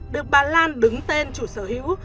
được bà lan đứng tên chủ sở hữu